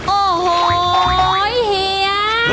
โอ้โหเฮีย